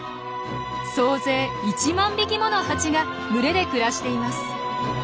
総勢１万匹ものハチが群れで暮らしています。